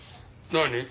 何？